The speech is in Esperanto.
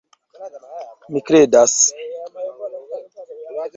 Mi kredas.